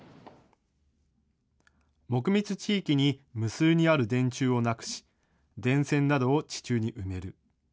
木密地域に無数にある電柱をなくし、電線などを地中に埋める。